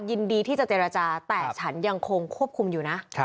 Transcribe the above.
ยินดีที่จะเจรจาแต่ฉันยังคงควบคุมอยู่นะ